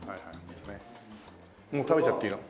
もう食べちゃっていいの？